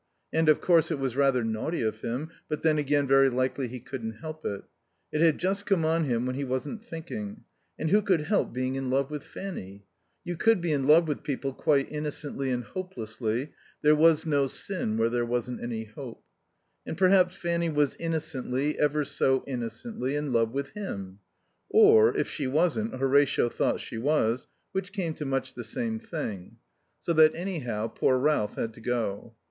And, of course, it was rather naughty of him, but then again, very likely he couldn't help it. It had just come on him when he wasn't thinking; and who could help being in love with Fanny? You could be in love with people quite innocently and hopelessly. There was no sin where there wasn't any hope. And perhaps Fanny was innocently, ever so innocently, in love with him; or, if she wasn't, Horatio thought she was, which came to much the same thing; so that anyhow poor Ralph had to go.